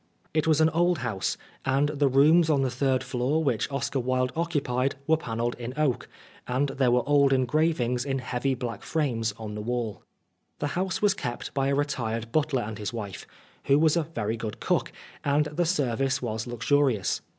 It was an old house, and the rooms on the third floor which Oscar Wilde occupied were panelled in oak, and there were old engravings in heavy black frames on the wall. The house was kept by a retired butler and his wife, who was a very good cook, and the service was luxurious.